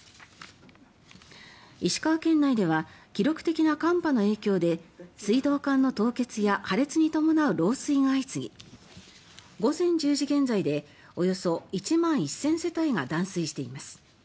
石川県内では記録的な寒波の影響で水道管の凍結や破裂に伴う漏水が相次ぎ午前１０時現在でおよそ１万１０００世帯が断水しています。